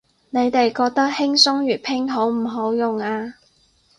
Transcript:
你哋覺得輕鬆粵拼好唔好用啊